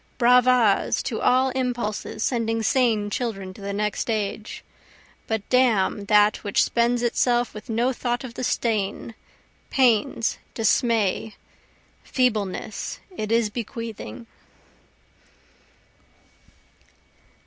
(Bravas to all impulses sending sane children to the next age! But damn that which spends itself with no thought of the stain, pains, dismay, feebleness, it is bequeathing.)